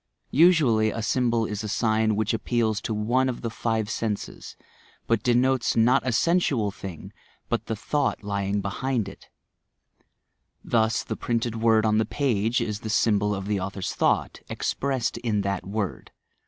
Usually, a symbol is a sign which appeals to one of the five senses, but de notes not a sensual thing, but the thought lying behind it. Thus the printed word on the page is the symbol of the author's thought, expressed in that word.